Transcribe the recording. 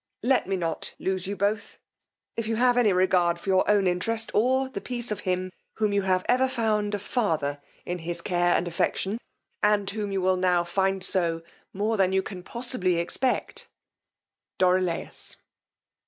Let me not lose you both; if you have any regard for your own interest, or the peace of him whom you have ever found a father in his care and affection, and whom you will now find so more than you can possibly expect. DORILAUS."